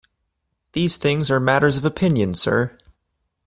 These things are matters of opinion, sir.